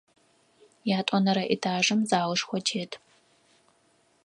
Ятӏонэрэ этажым залышхо тет.